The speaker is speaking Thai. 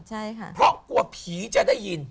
เพราะกลัวผีจะได้ยิน